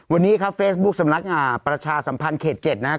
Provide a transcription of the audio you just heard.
วันนี้ครับเฟซบุ๊คสำนักประชาสัมพันธ์เขต๗นะครับ